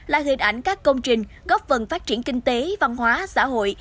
là hình ảnh các công trình góp phần phát triển kinh tế văn hóa xã hội